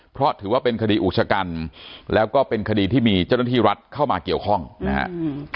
เพราะถือว่าเป็นคดีอุชกันแล้วก็เป็นคดีที่มีเจ้าหน้าที่รัฐเข้ามาเกี่ยวข้องนะครับ